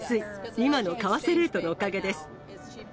今の為替レートのおかげです。